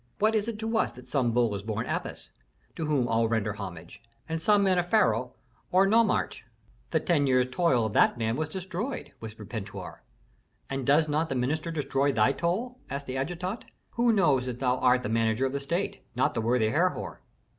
What is it to us that some bull is born Apis, to whom all render homage, and some man a pharaoh or a nomarch?" "The ten years' toil of that man was destroyed," whispered Pentuer. "And does not the minister destroy thy toil?" asked the adjutant. "Who knows that thou art the manager of the state, not the worthy Herhor?"